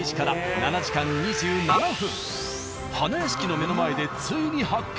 花やしきの目の前でついに発見！